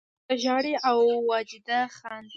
زرکه ژاړي او واجده خاندي